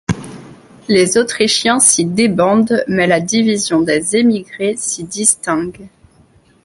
Les Autrichiens s'y débandent mais la division des émigrés s'y distingue.